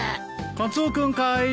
カツオ君かい？